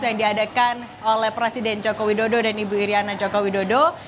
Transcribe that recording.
yang diadakan oleh presiden joko widodo dan ibu iryana joko widodo